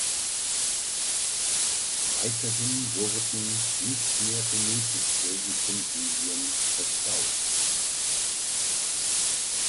Weiterhin wurden nicht mehr benötigte Utensilien verstaut.